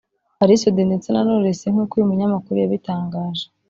Ally Soudi ndetse na Knowless nkuko uyu munyamakuru yabitangaje